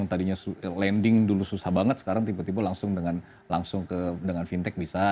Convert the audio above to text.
yang tadinya lending dulu susah banget sekarang tiba tiba langsung dengan fintech bisa